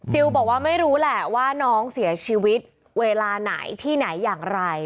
บอกว่าไม่รู้แหละว่าน้องเสียชีวิตเวลาไหนที่ไหนอย่างไร